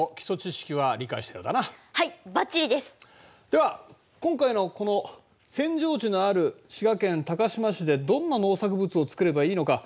では今回のこの扇状地のある滋賀県高島市でどんな農作物を作ればいいのか。